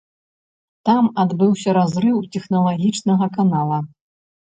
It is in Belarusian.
Там адбыўся разрыў тэхналагічнага канала.